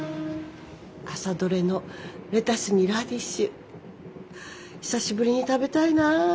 朝採れのレタスにラディッシュ久しぶりに食べたいな。